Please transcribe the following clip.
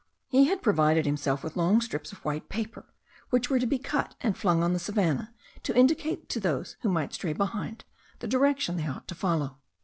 He had provided himself with long slips of white paper, which were to be cut, and flung on the savannah, to indicate to those who might stray behind, the direction they ought to follow.